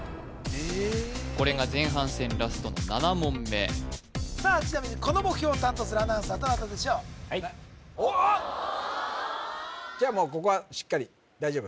これが前半戦ラストの７問目この目標を担当するアナウンサーはどなたでしょうはいじゃあもうここはしっかり大丈夫？